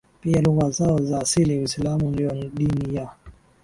pia lugha zao za asili Uislamu ndio dini ya